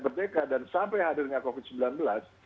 merdeka dan sampai hadirnya covid sembilan belas